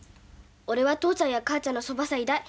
俺は父ちゃんや母ちゃんのそばさいたい。